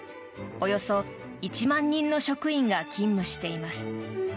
およそ１万人の職員が勤務しています。